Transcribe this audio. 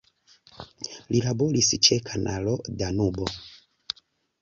Li laboris ĉe Kanalo Danubo.